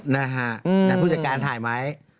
แต่ผู้จัดการถ่ายไม้